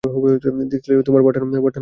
দেখতে গেলে তোমার পার্টনারও বেশ ভালো।